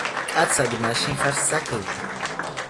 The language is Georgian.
კაცად მაშინ ხარ საქები